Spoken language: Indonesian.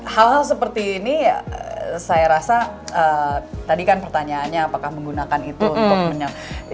hal hal seperti ini ya saya rasa tadi kan pertanyaannya apakah menggunakan itu untuk menyampaikan